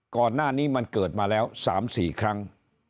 ก่อนหน้านี้มันเกิดมาแล้ว๓๔ครั้ง